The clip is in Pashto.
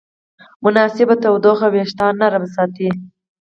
مناسب تودوخه وېښتيان نرم ساتي.